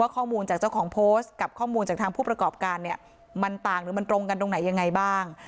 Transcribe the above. ข้อมูลจากเจ้าของโพสต์กับข้อมูลจากทางผู้ประกอบการเนี่ยมันต่างหรือมันตรงกันตรงไหนยังไงบ้าง